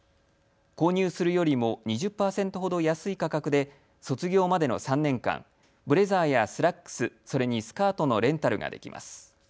購入するよりも２０％ほど安い価格で卒業までの３年間、ブレザーやスラックス、それにスカートのレンタルができます。